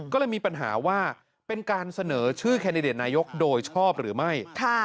ก็เลยมีปัญหาว่าเป็นการเสนอชื่อแคนดิเดตนายกโดยชอบหรือไม่